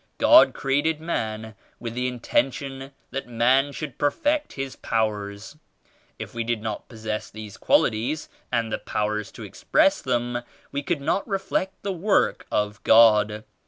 God created man with the inten tion that man should perfect his powers. If we did not possess these qualities and the powers to express them we could not reflect the Work of God.